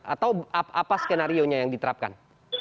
atau apa skenario nya yang diterapkan